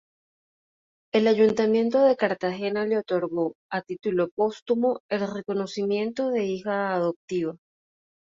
El Ayuntamiento de Cartagena le otorgó, a título póstumo, el reconocimiento de Hija Adoptiva.